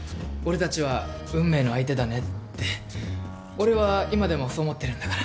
俺は今でもそう思ってるんだから。